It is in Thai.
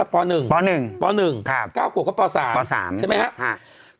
๙ขวบเขาป๓ใช่ไหมครับ